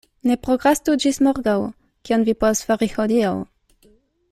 Ne prokrastu ĝis morgaŭ, kion vi povas fari hodiaŭ.